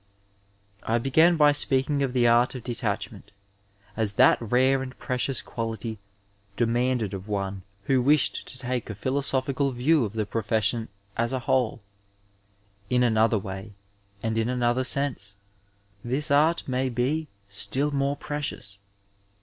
I began by speaking of the art of detachment as that rare and precious quality demanded of one who wished to take a philosophical view of the profession as a whole. In another way and in another sense this art may be still more precious.